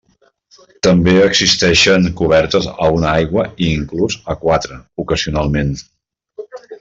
També existixen cobertes a una aigua i inclús a quatre, ocasionalment.